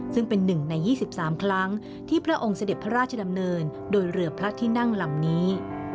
ซึ่งเป็นหนึ่งใน๒๓ครั้งที่พระองค์เสด็จพระราชดำเนินโดยเรือพระที่นั่งลำนี้